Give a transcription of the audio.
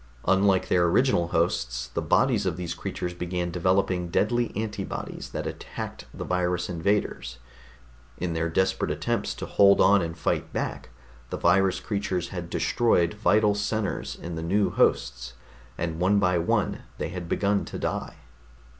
Unlike their original hosts, the bodies of these creatures began developing deadly antibodies that attacked the virus invaders. In their desperate attempts to hold on and fight back, the virus creatures had destroyed vital centers in the new hosts, and one by one they had begun to die.